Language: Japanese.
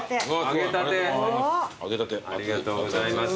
ありがとうございます。